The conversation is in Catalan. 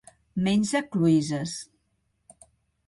Menja cloïsses.